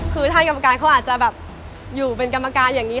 คือท่านกรรมการเขาอาจจะอยู่เป็นกรรมิการเนี้ย